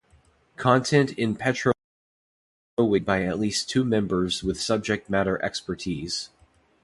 Content in PetroWiki is moderated by at least two members with subject matter expertise.